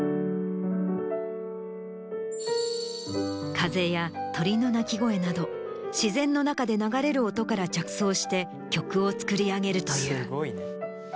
風や鳥の鳴き声など自然の中で流れる音から着想して曲を作り上げるという。